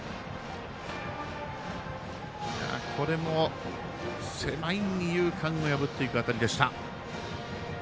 これも狭い二遊間を破っていく当たりでした。